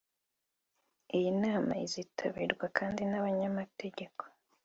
Iyi nama izitabirwa kandi n’abanyamategeko